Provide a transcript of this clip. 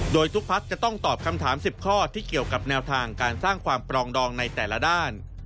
โดยทุกพักจะต้องตอบคำถาม๑๐ข้อที่เกี่ยวกับแนวทางการสร้างความปรองดองในแต่ละด้าน